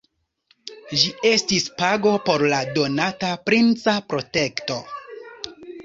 Ĝi estis pago por la donata princa protekto.